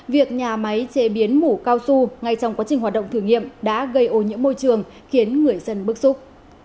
việc nhà máy chế biến mủ cao su ngay trong quá trình hoạt động thử nghiệm đã gây ô nhiễm môi trường khiến người dân bức xúc